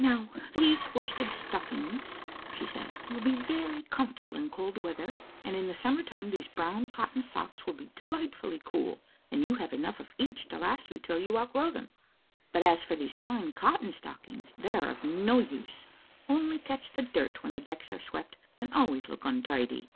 "Now, these worsted stockings," she said, "will be very comfortable in cold weather, and in the summer time these brown cotton socks will be delightfully cool, and you have enough of each to last you till you outgrow them; but as for these fine cotton stockings, they are of no use only catch the dirt when the decks are swept, and always look untidy.